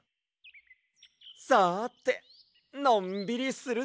さてのんびりするぞ！